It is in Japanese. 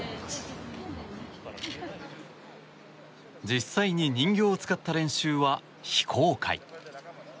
実際に人形を使った練習は非公開。